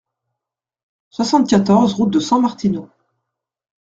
soixante-quatorze route de San-Martino